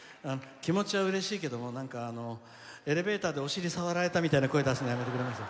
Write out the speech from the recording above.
気持ちは、うれしいけどもエレベーターでお尻、触られたみたいな声出すの、やめてください。